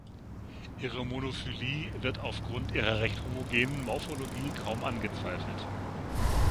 Ihre Monophylie wird aufgrund ihrer recht homogenen Morphologie kaum angezweifelt.